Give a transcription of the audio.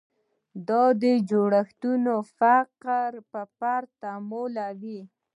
دا جوړښتونه فقر پر فرد تحمیلوي.